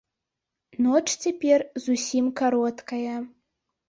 Ноч цяпер зусім кароткая.